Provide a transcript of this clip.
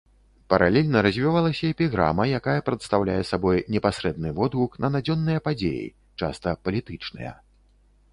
Паралельна развівалася эпіграма, якая прадстаўляе сабой непасрэдны водгук на надзённыя падзеі, часта палітычныя.